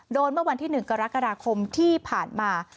เมื่อวันที่๑กรกฎาคมที่ผ่านมา